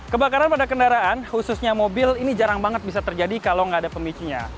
kebakaran pada kendaraan khususnya mobil ini jarang banget bisa terjadi kalau nggak ada pemicunya